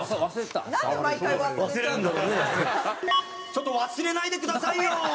ちょっと忘れないでくださいよ！